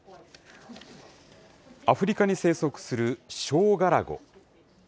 アフリカに生息するショウガラゴ。